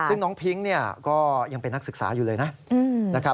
ซึ่งน้องพิ้งก็ยังเป็นนักศึกษาอยู่เลยนะ